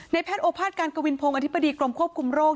แพทย์โอภาษการกวินพงศ์อธิบดีกรมควบคุมโรค